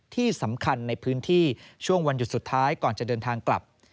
ที่สำคัญในพื้นที่ช่วงวันหยุดสุดท้ายก่อนจะเดินทางกลับ